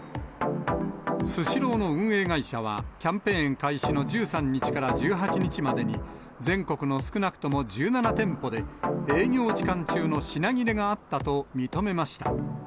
スシローの運営会社は、キャンペーン開始の１３日から１８日までに、全国の少なくとも１７店舗で、営業時間中の品切れがあったと認めました。